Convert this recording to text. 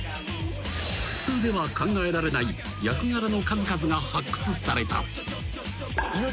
［普通では考えられない役柄の数々が発掘された］